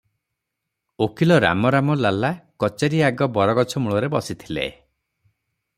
ଓକିଲ ରାମରାମ ଲାଲା କଚେରୀ ଆଗ ବରଗଛ ମୂଳରେ ବସିଥିଲେ ।